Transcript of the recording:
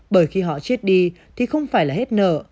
bởi khi họ chết đi thì không phải là hết nợ